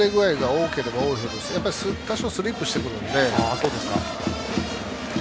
ぬれ具合が多ければ多いほどスリップしてくるので。